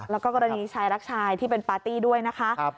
แล้วก็กรณีชายรักชายที่เป็นปาร์ตี้ด้วยนะคะ